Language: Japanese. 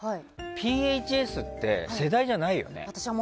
ＰＨＳって世代じゃないよね？